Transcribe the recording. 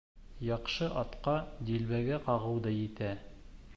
Яҡшы атҡа дилбегә ҡағыу ҙа етә.